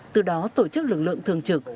từ đó tổ chức lực lượng thường trực